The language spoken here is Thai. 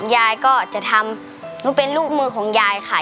ยายก็จะทำหนูเป็นลูกมือของยายค่ะ